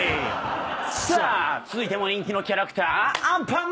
さあ続いても人気のキャラクターアンパンマン。